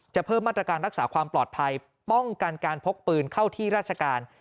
เพิ่มมาตรการรักษาความปลอดภัยป้องกันการพกปืนเข้าที่ราชการ